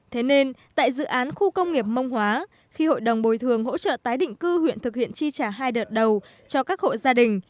thế nên tại dự án khu công nghiệp mông hóa khi hội đồng bồi thường hỗ trợ tái định cư huyện thực hiện chi trả hai đợt đầu cho các hộ gia đình